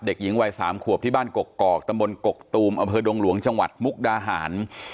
เด็กหญิงวัย๓ขวบที่บ้านกกอกตำบลกกตูมอำเภอดงหลวงจังหวัดมุกดาหาร